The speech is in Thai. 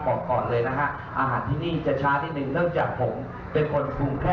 บอกก่อนเลยนะฮะอาหารที่นี่จะช้านิดหนึ่ง